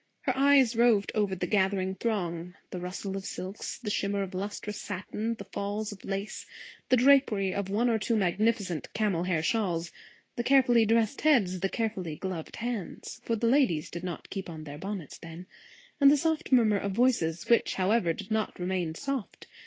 Her eye roved over the gathering throng; the rustle of silks, the shimmer of lustrous satin, the falls of lace, the drapery of one or two magnificent camels' hair shawls, the carefully dressed heads, the carefully gloved hands; for the ladies did not keep on their bonnets then; and the soft murmur of voices, which, however, did not remain soft.